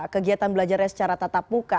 kegiatan belajarnya secara tatap muka